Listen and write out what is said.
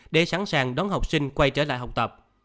để sẵn sàng đón học sinh quay trở lại học tập